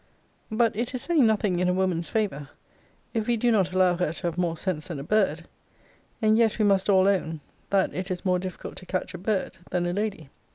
But it is saying nothing in a woman's favour, if we do not allow her to have more sense than a bird. And yet we must all own, that it is more difficult to catch a bird than a lady.